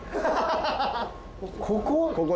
ここ？